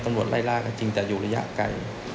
ตำรวจไล่ล่าก็จริงแต่อยู่ระยะไกล